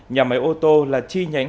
nhà máy ô tô là chi nhánh hai tỷ đồng